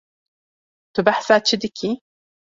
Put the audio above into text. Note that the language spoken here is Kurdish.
Tu behsa çi dikî?